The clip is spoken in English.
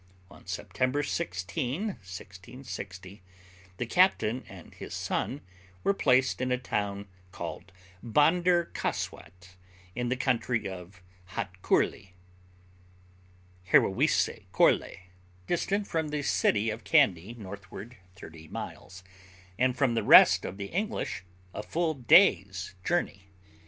On September 16, 1660, the captain and his son were placed in a town called Bonder Coswat, in the country of Hotcurly [? Hewarrisse Korle], distant from the city of Kandy northward thirty miles, and from the rest of the English a full day's journey.